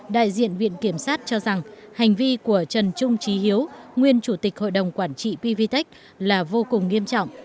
đại diện viện kiểm sát cho rằng hành vi của trần trung trí hiếu nguyên chủ tịch hội đồng quản trị pvtec là vô cùng nghiêm trọng